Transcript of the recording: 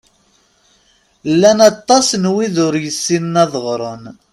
Llan aṭas n wid ur yessinen ad ɣren.